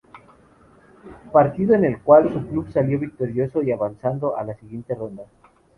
Partido en el cual su club salió victorioso y avanzando a la siguiente ronda.